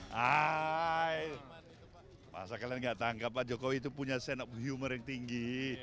hai masa kalian tidak tangkap pak jokowi itu punya senap humor yang tinggi